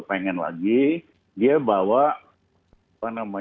ingin lagi dia bawa buku cek sertifikat deposito sekitar dua puluh miliar